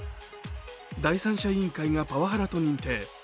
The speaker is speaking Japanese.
第三者委員会がパワハラと認定。